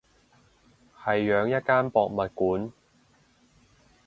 係養一間博物館